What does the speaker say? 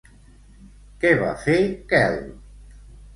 Què va fer Quel?